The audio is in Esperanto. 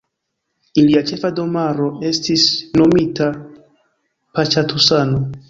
Ilia ĉefa domaro estis nomita Paĉatusano.